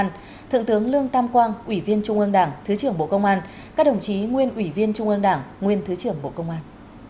cùng dự còn có thượng tướng lương tam quang ủy viên trung ương đảng thứ trưởng bộ công an các đồng chí nguyên ủy viên trung ương đảng nguyên thứ trưởng bộ công an